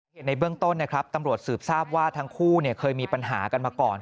ในเบื้องต้นนะครับตำรวจสืบทราบว่าทั้งคู่เคยมีปัญหากันมาก่อน